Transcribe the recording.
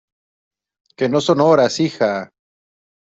que no son horas, hija.